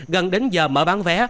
gần đến giờ mở bán vé